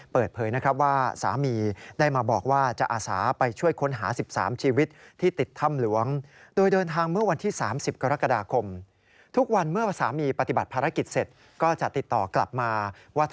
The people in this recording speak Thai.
เปิดเผยนะครับว่าสามีได้มาบอกว่าจะอาสาไปช่วยค้นหา๑๓ชีวิตที่ติดถ้ำหลวง